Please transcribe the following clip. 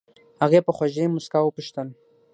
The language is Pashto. هغې په خوږې موسکا وپوښتل.